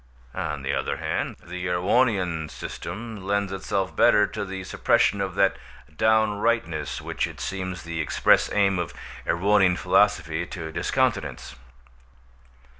On the other hand, the Erewhonian system lends itself better to the suppression of that downrightness which it seems the express aim of Erewhonian philosophy to discountenance.